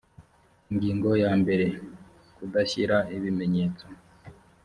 ingingo ya mbere kudashyira ibimenyetso